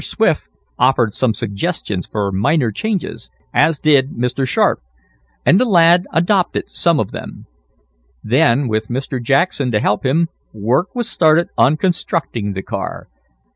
Swift offered some suggestions for minor changes, as did Mr. Sharp, and the lad adopted some of them. Then, with Mr. Jackson to help him, work was started on constructing the car.